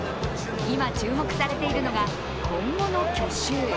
今注目されているのが今後の去就。